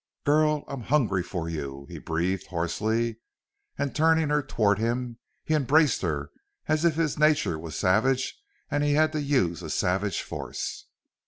"Girl!... I'm hungry for you!" he breathed, hoarsely. And turning her toward him, he embraced her, as if his nature was savage and he had to use a savage force.